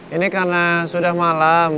ini karena sudah malam